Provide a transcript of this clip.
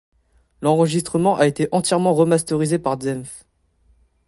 L'enregistrement a été entièrement remasterisé par Zenph.